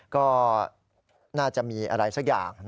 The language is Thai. ก็น่าจะมีอะไรสักอย่าง